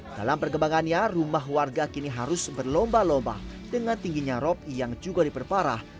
dalam perkembangannya rumah warga kini harus berlomba lomba dengan tingginya rop yang juga diperparah